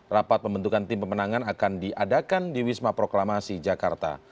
rapat pembentukan tim pemenangan akan diadakan di wisma proklamasi jakarta